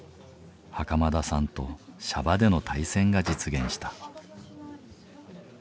袴田さんと娑婆での対戦が実現した。